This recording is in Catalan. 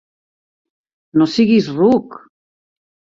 No siguis ruc!